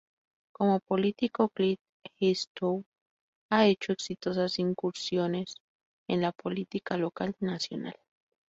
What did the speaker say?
Como político, Clint Eastwood ha hecho exitosas incursiones en la política local y nacional.